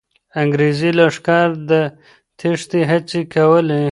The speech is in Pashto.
انګریزي لښکر د تېښتې هڅې کولې.